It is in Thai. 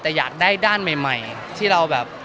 แต่อยากได้ด้านใหม่ที่เราแบบ